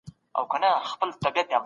ښه خلک د نېکمرغۍ او سعادت په لټه کي وي.